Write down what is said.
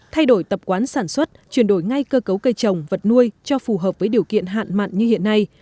thay đổi tập quán sản xuất chuyển đổi ngay cơ cấu cây trồng vật nuôi cho phù hợp với điều kiện hạn mặn như hiện nay